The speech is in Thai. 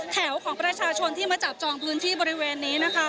แถวของประชาชนที่มาจับจองพื้นที่บริเวณนี้นะคะ